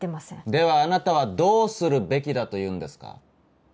ではあなたはどうするべきだというんですか。